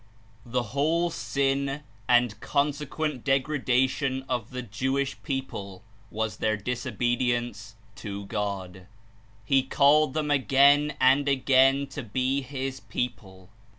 The whole sin and consequent degradation of the Jewish people was their disobedience to God. He called them again and again to be his people.